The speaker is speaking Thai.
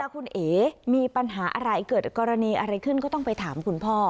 คุณเอ๋มีปัญหาอะไรเกิดกรณีอะไรขึ้นก็ต้องไปถามคุณพ่อ